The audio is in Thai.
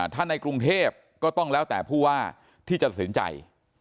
ถ้าในกรุงเทพก็ต้องแล้วแต่ผู้ว่าที่จะตัดสินใจ